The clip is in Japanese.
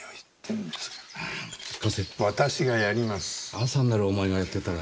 朝になるお前がやってたら。